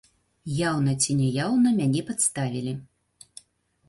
Яўна ці няяўна мяне падставілі.